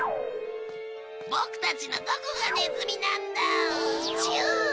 ボクたちのどこがネズミなんだチュー。